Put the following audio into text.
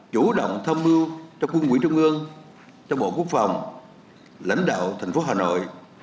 chủ động tham mưu cho quân quỹ trung ương cho bộ quốc phòng lãnh đạo thành phố hà nội